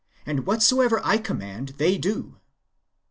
31 whatsoever I command they do."